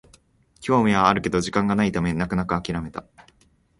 興味はあるけど時間がないため泣く泣くあきらめた